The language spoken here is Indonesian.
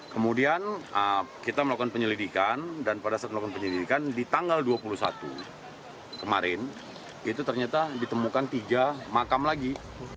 kemudian kita melakukan penyelidikan dan pada saat melakukan penyelidikan di tanggal dua puluh satu kemarin itu ternyata ditemukan tiga makam lagi